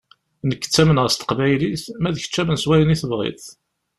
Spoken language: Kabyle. Nekk ttamneɣ s teqbaylit, ma d kečč amen s wayen i tebɣiḍ.